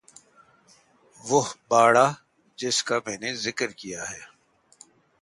وہ باڑہ جس کا میں نے ذکر کیا ہے